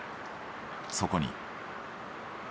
そこに。